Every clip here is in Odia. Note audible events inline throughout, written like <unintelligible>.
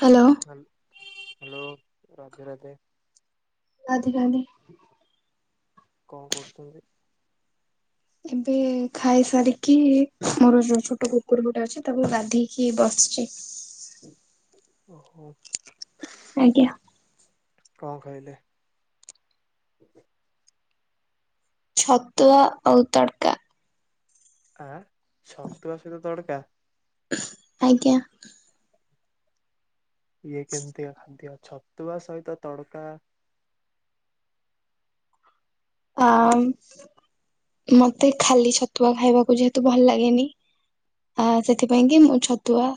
Hello. Hello hello Radhe Radhe. ଆଧିକାଲି। କଣ କରୁଛନ୍ତି? ଏବେ ଖାଇ ସାରିକି ମୋର ଯୋଉ ଛୋଟ କୁକୁର ଗୋଟେ ଅଛି ତାକୁ ଗାଧେଇକି ବସିଛି। ଓହୋ। ଆଜ୍ଞା। କଣ ଖାଇଲେ? ଛତୁଆ ଆଉ ତଡକା। ଆଁ ଛତୁଆ ସହିତ ତଡକା। ଆଜ୍ଞା। ଇଏ କେମିତିକା ଖାଦ୍ୟ? ଛତୁଆ ସହିତ ତଡକା। ଅ ମତେ ଖାଲି ଛତୁଆ ଖାଇବାକୁ ଯେହେତୁ ଭଲ ଲାଗେନି। ଆ ସେଥିପାଇଁ କି ମୁଁ ଛତୁଆ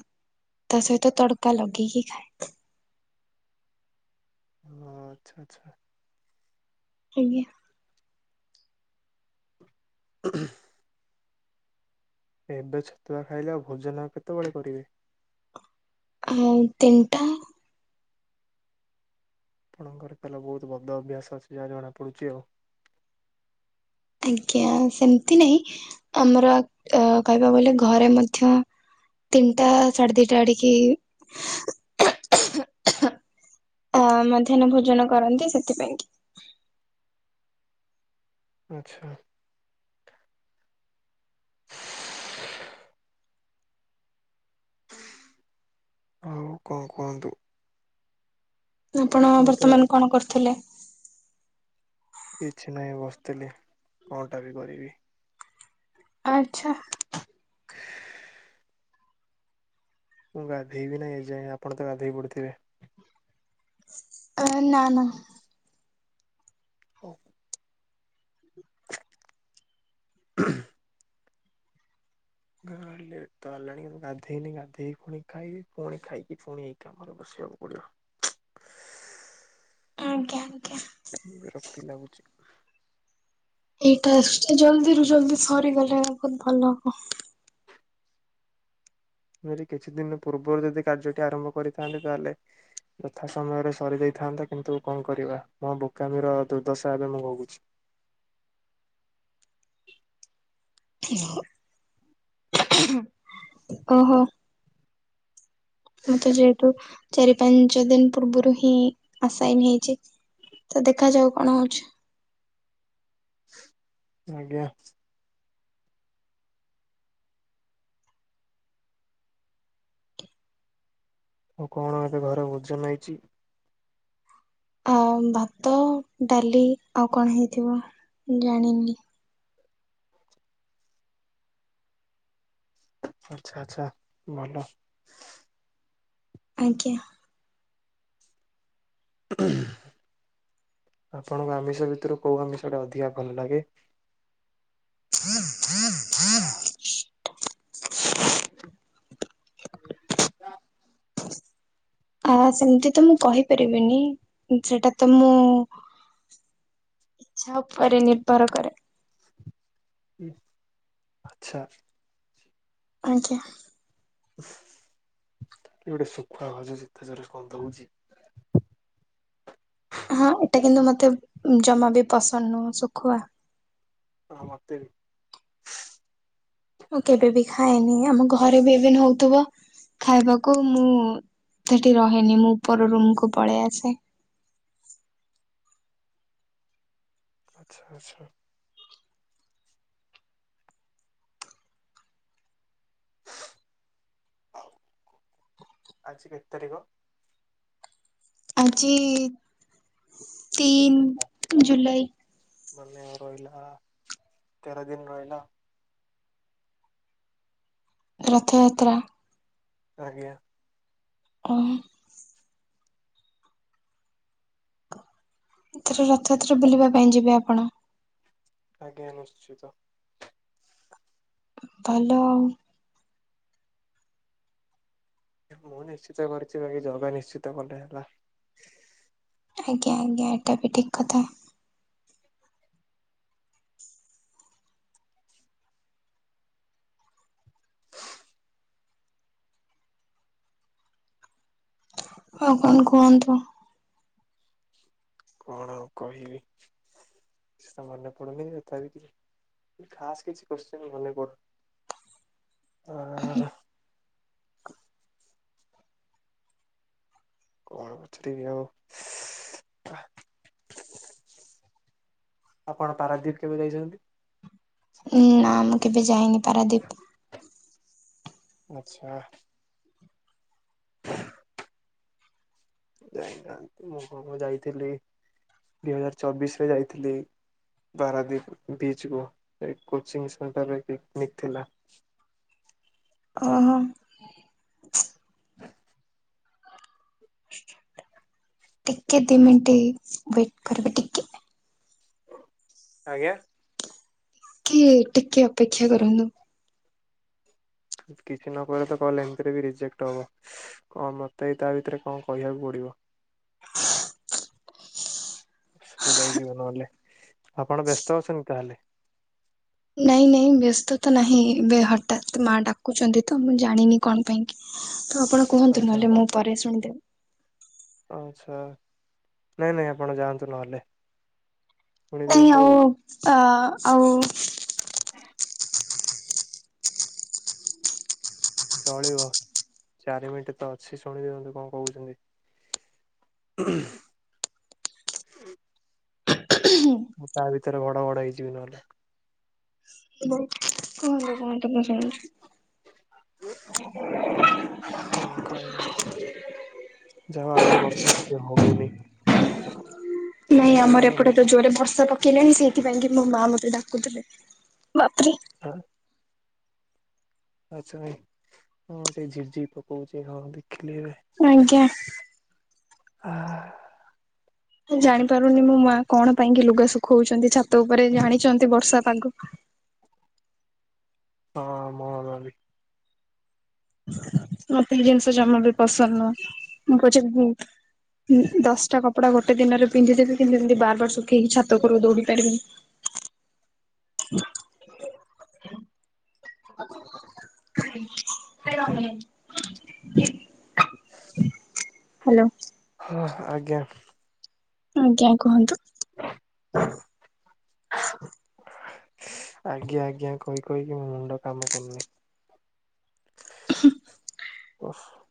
ତା ସହିତ ତଡକା ଲଗେଇକି ଖାଏ। ଓ ଆଚ୍ଛା ଆଚ୍ଛା। ଆଜ୍ଞା। <inaudible> ଏବେ ଛତୁଆ ଖାଇଲେ। ଆଉ ଭୋଜନ କେତେବେଳେ କରିବେ? ଆଉ ତିନିଟା। ଆପଣଙ୍କର ତାହାଲେ ବହୁତ ଭଦ ଅଭ୍ୟାସ ଅଛି। ଯାହା ଜଣା ପଡୁଛି ଆଉ। ଆଜ୍ଞା ସେମତି ନାହିଁ ଆମର ଅ କହିବାକୁ ଗଲେ ଘରେ ମଧ୍ୟ ତିନିଟା ସାଢ଼େ ଦିଟା ଆଡିକି ଅଁ ମଧ୍ୟାହ୍ନ ଭୋଜୋନ କରନ୍ତି ସେଥିପାଇଁ କି ଆଚ୍ଛା। ଆଉ କଁ କୁହନ୍ତୁ। ଆପଣ ମୁଁ ତ ବର୍ତ୍ତମାନ କଣ କରୁଥୁଲେ। କିଛି ନାହିଁ ବସିଥିଲି କଁଟା ବି କରିବି। ଆଚ୍ଛା। <inaudible> ମୁଁ ଗାଧୋଇବି ନାଇଁ ଏଯାଏଁ ଆପଣ ତ ଗାଧୋଇ ପଡ଼ିଥିବେ। ଏଁ ନାଁ ନାଁ। <unintelligible> <inaudible> <unintelligible> ଲେଟ୍ ତ ହେଲାଣି କିନ୍ତୁ ଗାଧେଇନି ଗାଧେଇକି ଫୁଣି ଖାଇବି ପୁଣି ଖାଇକି ଫୁଣି ଏଇ କାମରେ ବସିବାକୁ ପଡ଼ିବ। ଆଞା ଆଞା। ବିରକ୍ତି ଲାଗୁଚି। ଏଇ ଟାସ୍କଟି ଜଲ୍ଦୀରୁ ଜଲ୍ଦୀ ସରିଗଲେ ବୋହୁତ ଭଲ ହବ। ଯଦି କିଛି ଦିନ ପୂର୍ବରୁ ଯଦି କାର୍ଯ୍ୟଟି ଆରମ୍ଭ କରିଥାନ୍ତି ତାହେଲେ ଯଥା ସମୟରେ ସରିଯାଇଥାନ୍ତା କିନ୍ତୁ କଁ କରିବା ମୋ ବୋକାମିର ଦୁର୍ଦ୍ଦଶା ଏବେ ମୁଁ ଭୋଗୁଛି। <unintelligible> ଓହୋ। ମତେ ଯେହେତୁ ଚାରି ପାଞ୍ଚ ଦିନ ପୂର୍ବୁରୁ ହିଁ ଆସାଇଁନ ହେଇଛି। ତ ଦେଖାଯାଉ କଣ ହୋଉଛି। ଆଜ୍ଞା। ଆଉ କଣ ଏବେ ଘରେ ଭୋଜୋନ ହେଇଛି। ଆଉ ଭାତ ଡାଲି ଆଉ କଣ ହେଇଥିବ ଜାଣିନି। ଆଚ୍ଛା ଆଚ୍ଛା ଭଲ। ଆଜ୍ଞା। ଆପଣଙ୍କୁ ଆମିଷ ଭିତରୁ କୋଉ ଆମିଷ ଟା ଅଧିକା ଭଲ ଲାଗେ। <inaudible> <inaudible> ଆ ସେମିତି ତ ମୁଁ କହିପାରିବିନି ଉଁ ସେଟା ତ ମୁଁ ଇଚ୍ଛା ଉପରେ ନିର୍ଭର କରେ। ଆଚ୍ଛା। ଆଜ୍ଞା। କିଏ ଗୋଟେ ସୁଖୁଆ ଭାଜୁଚି ଏତେ ଜୋରେ ଗନ୍ଧୋଉଚି। ହଁ ଏଟା କିନ୍ତୁ ମତେ ଜମା ବି ପସନ୍ଦ ନୁହଁ ସୁଖୁଆ। ହଁ ମତେ ବି। ମୁଁ କେବେ ବି ଖାଏନି ଆମ ଘରେ ବି ଇଭେନ୍ ହୋଉଥୁବ। ଖାଇବାକୁ ମୁଁ ସେଠି ରହେନି ମୁଁ ଉପର ରୁମକୁ ପଳେଇ ଆସେ। ଆଚ୍ଛା ଆଚ୍ଛା। ଆଜି କେତେ ତାରିକ। ଆଜି ତିନି ଜୁଲାଇ। ମନେ ଆଉ ରହିଲା ତେର ଦିନ ରହିଲା। ରଥଯାତ୍ରା। ଆଜ୍ଞା। <unintelligible> ଏଥର ରଥଯାତ୍ରା ବୁଲିବା ପାଇଁ ଯିବେ ଆପଣ। ଆଜ୍ଞା ନିଶ୍ଚିତ। ଭଲ ଆଉ। ମୁଁ ନିଶ୍ଚିତ କରିଛି ବାକି ଜଗା ନିଶ୍ଚିତ କଲେ ହେଲା। ଆଜ୍ଞା ଆଜ୍ଞା ଏଟା ବି ଠିକ୍ କଥା। ହ ଆଉ କଣ କୁହନ୍ତୁ? କଣ ଆଉ କହିବି କିଛି ତ ମନେ ପଡୁନି <unintelligible> ଖାସ୍ କିଛି କୋଶ୍ଚିନି ମନେ ପଡୁନି ଆ କଣ ପଚାରିବି ଆଉ? ଆପଣ ପାରାଦ୍ୱୀପ କେବେ ଯାଇଚନ୍ତି? ନାଁ ମୁଁ କେବେ ଯାଇନି ପାରାଦ୍ଵୀପ। ଆଚ୍ଛା। <unintelligible> ମୁଁ ମୁଁ ଯାଇଥିଲି ଦୁଇ ହଜାର ଚବିଶି ରେ ଯାଇଥିଲି। ପାରାଦ୍ଵୀପ ବିଚ୍ କୁୁ <unintelligible> କୋଚିଂ ସେଣ୍ଟର ର ପିକନିକ୍ ଥିଲା। ଓ ହୋ। ଟିକେ ଦି ମିନିଟ୍ ୱେଟ୍ କରିବେ ଟି ଆଜ୍ଞା। କିଏ ଟିକେ ଅପେକ୍ଷା କରନ୍ତୁ। କିଛି ନ କହିଲେ ତ କଲ୍ ଏମିତି ରେ ବି ରିଜେକ୍ଟ ହବ। କଣ ମତେ ବି ତା ଭିତରେ କଣ କହିବାକୁ ପଡ଼ିବ। ଅସୁବିଧା ହେଇଯିବ ନହେଲେ ଆପଣ ବ୍ୟସ୍ତ ଅଛନ୍ତି ତାହେଲେ? ନାଇଁ ନାଇଁ ବ୍ୟସ୍ତ ତ ନାହିଁ ଏବେ ହଠାତ୍ ମା ଡାକୁଚନ୍ତି ତ ମୁଁ ଜାଣିନି କଣ ପାଇଁ କି। ଆପଣ କୁହନ୍ତୁ ଆଚ୍ଛା ନହେଲେ ମୁଁ ପରେ ଶୁଣିଦେବି। ଆଚ୍ଛା ନାଇଁ ନାଇଁ ଆପଣ ଯାଆନ୍ତୁ ନହେଲେ। ଶୁଣି ନାଇଁ ଦିଅନ୍ତୁ ଆଉ ଆ ଆଉ ଚଳିବ ଚାରି ମିନିଟ୍ ତ ଅଛି ଶୁଣି ଦିଅନ୍ତୁ କଣ କହୁଛନ୍ତି। <inaudible> ମୁଁ ତା ଭିତରେ ଘଡ଼ଘଡ଼ ହେଇଯିବି ନହେଲେ। କୁହନ୍ତୁ କୁହନ୍ତୁ ମୁଁ ଶୁଣୁଚି। <inaudible> ଯାହାହଉ ଆଜି ବର୍ଷା ଟିକେ ହଉନି। ନାଇଁ ଆମର ଚଳିବ ନ ଏପଟେ ତ ଯୋରେ ବର୍ଷା ପ ପକେଇଲାଣି ସେଇଥିପାଇଁ କି ମୋ ମା ମତେ ଡାକୁଥିଲେ ବାପରେ ହଁ। ଆଚ୍ଛା ଭାଇ ହଁ ଏବେ ଝିପି ଝିପି ପକଉଚି ହଁ ଦେଖିଲି ଏବେ। ଆଜ୍ଞା। <unintelligible> ମୁଁ ଜାଣିପାରୁନି ମୋ ମା କଣ ପାଇଁ କି ଲୁଗା ଶୁଖଉଚନ୍ତି ଛାତ ଉପରେ ଜାଣିଚନ୍ତି ବର୍ଷା ପାଗ। ହଁ ଆମର ବି ମତେ ଏଇ ଜିିନଷ ଜମା ବି ପସନ୍ଦ ନୁହଁ ମୁଁ କହୁଛି ଦଶଟା କପଡ଼ା ଗୋଟେ ଦିନରେ ପନ୍ଧିଦେବି କିନ୍ତୁ ଏମିତି ବାର୍ ବାର୍ ଶୁଖେଇକି ଛାତ ଉପରକୁ ଦୌଡ଼ି ପାରିବିନି। <unintelligible> ହ୍ୟାଲୋ। ହଁ ଆଜ୍ଞା। ଆଜ୍ଞା କୁହନ୍ତୁ। ଆଜ୍ଞା ଆଜ୍ଞା କହି କହିକି ମୋ ମୁଣ୍ଡ କାମ କରୁନି। <unintelligible> <unintelligible>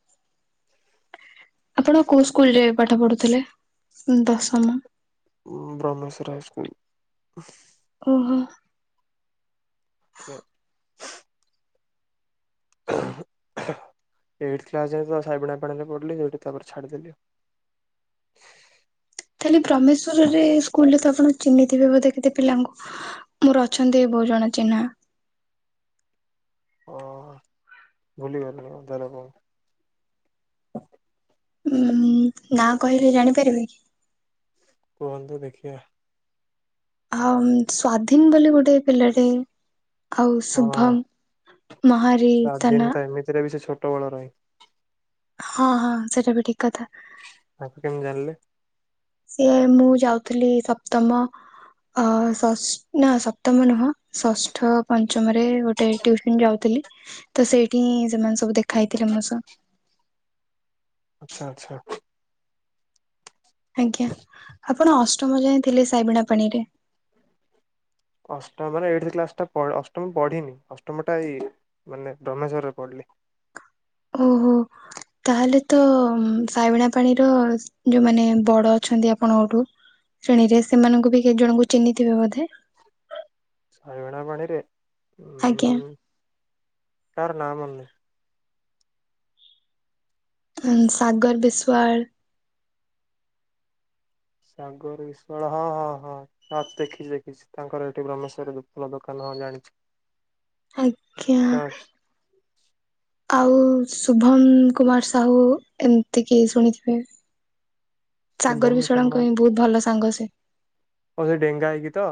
ଆପଣ କୋଉ ସ୍କୁଲ୍ ରେ ପାଠ ପଢ଼ୁଥିଲେ ଦଶମ? ଉଁ ବ୍ରହ୍ମେସ୍ଵର ହାଇସ୍କୁଲ୍। ଓ ହୋ। <unintelligible> ଏଇଟ୍ କ୍ଲାସ୍ ଯାଏ ତ ସାଇବଣା ପାଣିରେ ପଢୁଥିଲି ଯୋଉଠି ତାପରେ ଛାଡ଼ିଦେଲି। ତାହଲେ ଭ୍ରମେଶ୍ଵରରେ ସ୍କୁଲରେ ତ ଆପଣ ଚିହ୍ନିଥିବେ ବୋଧ କେତେ ପିଲାଙ୍କୁ। ମୋର ଅଛନ୍ତି ବୋହୁତ ଜଣ ଚିହ୍ନା। ଓହ ଭୁଲି ଗଲିଣି ମୁଁ ତାହେଲେ ଆପଣଙ୍କୁ। ଉ ହୁଁ ନା କହିଲେ ଜାଣିପାରିବେ କି। କୁହନ୍ତୁ ଦେଖିବା। ଆଉ ସ୍ଵାଧୀନ ବୋଲି ଗୋଟେ ପିଲାଟେ। ଆଉ ହଁ ଶୁଭମ୍ ମହାରି ତା ସ୍ଵାଧୀନ ନା। ତ ଏମିତିରେ ବି ସେ ଛୋଟ ବଳ ରହେ। ହଁ ହଁ ସେଇଟା ବି ଠିକ କଥା। ତାକୁ କେମିତି ଜାଣିଲେ? ସିଏ ମୁଁ ଯାଉଥିଲି ସପ୍ତମ ଅ ଷଷ୍ଠ ନା ସପ୍ତମ ନୁହଁ ଷଷ୍ଠ ପଞ୍ଚମରେ ଗୋଟେ ଟିୁଉସନ ଯାଉଥିଲି। ତ ସେଇଠି ହିଁ ସେମାନେ ସବୁ ଦେଖା ହେଇଥିଲେ ମୋ ସହ। ଆଚ୍ଛା ଆଚ୍ଛା। ଆଜ୍ଞା ଆପଣ ଅଷ୍ଟମ ଯାଏ ଥିଲେ ସାଇବିଣା ପାଣିରେ। ଅଷ୍ଟମରେ ଏଇ କ୍ସ ଟା ଅଷ୍ଟମ ପଢିନି ଅଷ୍ଟମ ଟା ଏଇ ମାନେ ରମେଶ୍ଵରରେ ପଢିଲି। ଓହୋ ତାହେଲେ ତ ସାଇବିଣା ପାଣିର ଯୋଉମାନେ ବଡ ଅଛନ୍ତି ଆପଣଙ୍କ ଗୋଠୁ ଶ୍ରେଣୀରେ ସେମାନଙ୍କୁ ବି କେତଜଣଙ୍କୁ ଚିହ୍ନିଥିବେ ବୋଧେ। ସାଇବୀଣାପଣିରେ। ଆଜ୍ଞା। କାହାର ନାଁ ମନେ ନାହିଁ। ସାଗର ବିଶ୍ୱାଳ। ସାଗର ବିଶ୍ୱାଳ ହଁ ହଁ ହଁ। ହଁ ଦେଖିଛି ଦେଖିଛି ତାଙ୍କର ଏଠି ବ୍ରହମେଶ୍ୱର ଫୁଲ ଦୋକାନ ହଁ ଜାଣିଛି। ଆଜ୍ଞା। ଆଉ ଶୁଭମ କୁମାର ସାହୁ ଏମତିକି ଶୁଣିଥିବେ। ସାଗର ଶୁଭମ କୁମାର ବିଶ୍ୱାଳଙ୍କ ହିଁ ବୋହୁତ ଭଲ ସାଙ୍ଗ ସିଏ। ହଉ ସେ ଡେଙ୍ଗା ହେଇକି ତ।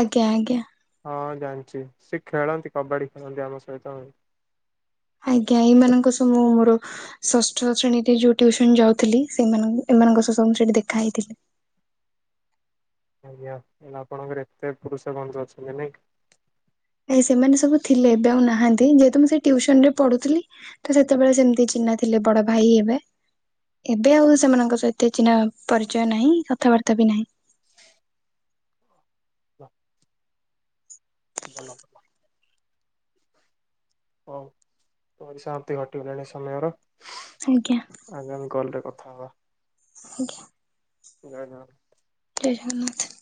ଆଜ୍ଞା ଆଜ୍ଞା। ହଁ ଜାଣିଛି ସେ ଖେଳନ୍ତି କବାଡି ଖେଳନ୍ତି ଆମ ସହିତ। ଆଜ୍ଞା ଏଇମାନଙ୍କ ସ ମୁଁ ମୋର ଷଷ୍ଠ ଶ୍ରେଣୀରେ ଯୋଉ ଟିଉସନ ଯାଉଥିଲି ସେମାନଙ୍କୁ ଏମାନଙ୍କ ସହ ସବୁ ମୁଁ ସେଠି ଦେଖା ହେଇଥିଲି। ଆଜ୍ଞା ତାହେଲେ ଆପଣଙ୍କର ଏତେ ପୁରୁଷ ବନ୍ଧୁ ଅଛନ୍ତି ନାଇଁ କି। ଆଜ୍ଞା ସେମାନେ ସବୁ ଥିଲେ ଏବେ ଆଉ ନାହାନ୍ତି ଯେହେତୁ ମୁଁ ସେ ଟଉସନ ରେ ପଢୁଥିଲି। ତ ସେତେବେଳେ ସେମିତି ଚିହ୍ନା ଥିଲେ ବଡ ଭାଇ ହେବେ। ଏବେ ଆଉ ସେମାନଙ୍କ ସହିତି ଚିହ୍ନା ପରିଚୟ ନାହିଁ କଥାବାର୍ତ୍ତା ବି ନାହିଁ। ହ <inaudible> ଭଲ <inaudible> ହଉ ପରିସମାପ୍ତି ଘଟିଗଲାଣି ସମୟର। ଆଜ୍ଞା। ଆଗମି କଲ ରେ କଥା ହବା। ଆଜ୍ଞା। ଜୟ ଜଗତ୍ ଜୟ ଜଗନ୍ନାଥ।